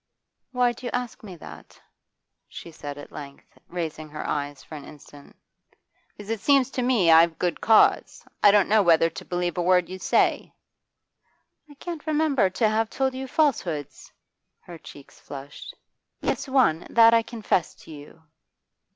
'Why do you ask me that?' she said at length, raising her eyes for an instant. 'Because it seems to me I've good cause. I don't know whether to believe a word you say.' 'I can't remember to have told you falsehoods.' Her cheeks flushed. 'Yes, one; that I confessed to you.